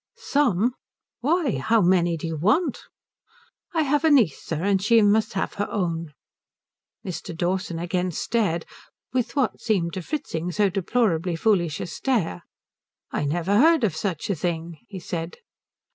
"Some? Why, how many do you want?" "I have a niece, sir, and she must have her own." Mr. Dawson again stared with what seemed to Fritzing so deplorably foolish a stare. "I never heard of such a thing," he said.